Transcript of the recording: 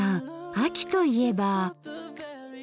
秋といえば。